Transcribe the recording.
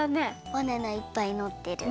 バナナいっぱいのってる。